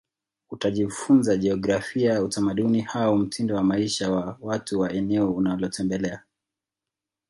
Utajifunza jiografia utamaduni au hata mtindo wa maisha wa watu wa eneo unalotembelea